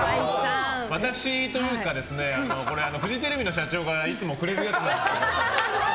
私というか、フジテレビの社長がいつもくれるやつなんです。